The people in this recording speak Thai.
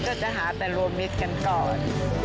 ก็จะหาแต่รวมมิตรกันก่อน